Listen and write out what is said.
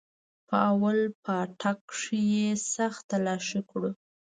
په اول پاټک کښې يې سخت تلاشي كړو.